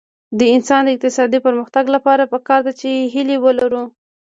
د افغانستان د اقتصادي پرمختګ لپاره پکار ده چې هیلې ولرو.